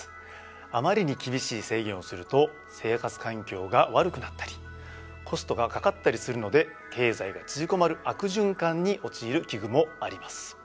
あまりに厳しい制限をすると生活環境が悪くなったりコストがかかったりするので経済が縮こまる悪循環に陥る危惧もあります。